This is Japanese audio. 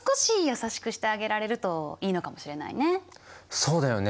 そうだよね。